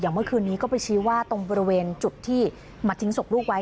เมื่อคืนนี้ก็ไปชี้ว่าตรงบริเวณจุดที่มาทิ้งศพลูกไว้